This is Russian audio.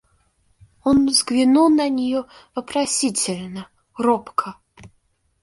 Он взглянул на нее вопросительно, робко.